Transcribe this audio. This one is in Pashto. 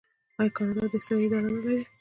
آیا کاناډا د احصایې اداره نلري؟